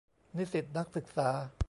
นิสิตนักศึกษา